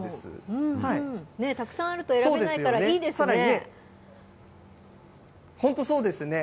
たくさんあると選べないから、いいですね。